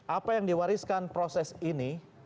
apa yang diwariskan proses ini